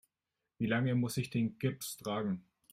Wie lange muss ich den Gips tragen?